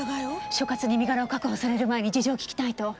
所轄に身柄を確保される前に事情を聞きたいと。